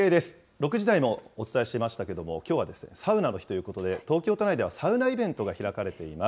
６時台もお伝えしましたけれども、きょうはサウナの日ということで、東京都内ではサウナイベントが開かれています。